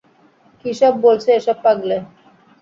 কীসব বলছে এই পাগলে?